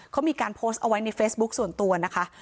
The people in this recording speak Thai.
เขามีการโพสต์เอาไว้ในเฟซบุ๊คส่วนตัวนะคะ